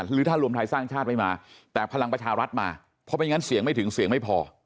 หรือถ้ารวมไทยสร้างชาติไม่มาแต่พลังประชารัฐมาเพราะไม่งั้นเสียงไม่ถึงเสียงไม่พอ